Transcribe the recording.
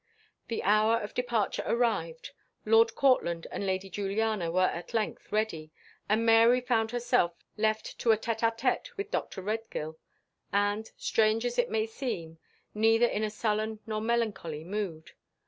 The hour of departure arrived; Lord Courtland and Lady Juliana were at length ready, and Mary found herself left to a tete à tete with Dr. Redgill; and, strange as it may seem, neither in a sullen nor melancholy mood.